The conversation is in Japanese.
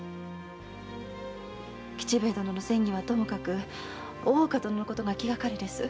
吉兵衛殿の詮議はともかく大岡殿のことが気がかりです。